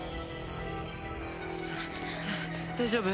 大丈夫？